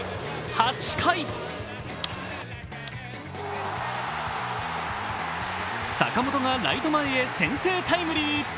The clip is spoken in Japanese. ８回坂本がライト前へ先制タイムリー。